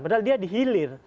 padahal dia dihilir